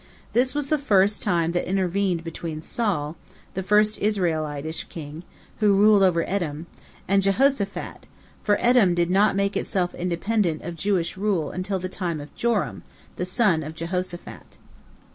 This was the time that intervened between Saul, the first Israelitish king, who ruled over Edom, and Jehoshaphat, for Edom did not make itself independent of Jewish rule until the time of Joram, the son of Jehoshaphat.